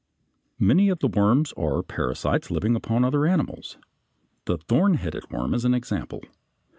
] Many of the worms are parasites living upon other animals. The thorn headed worm (Fig. 62) is an example.